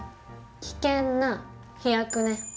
危険な飛躍ね。